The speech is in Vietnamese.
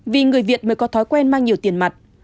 vì người việt mới có thói quen mang nhiều tiền mặt